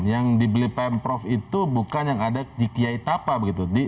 yang dibeli pemprov itu bukan yang ada di kiai tapa begitu